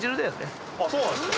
そうなんですか。